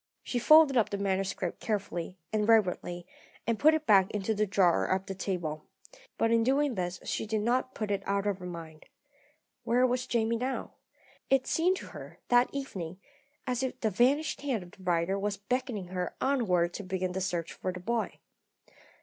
She folded up the manuscript carefully and reverently, and put it back into the drawer of the table. But in doing this she did not put it out of her mind. Where was Jamie now? It seemed to her, that evening, as if the vanished hand of the writer were beckoning her onward to begin the search for the boy.